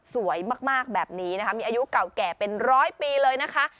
สวยมากแบบนี้นะคะมีอายุเก่าแก่เป็นร้อยปีเลยนะคะ